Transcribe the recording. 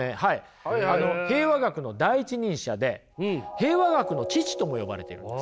平和学の第一人者で平和学の父とも呼ばれているんです。